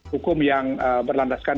hukum yang berlandaskan